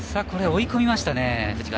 追い込みましたね。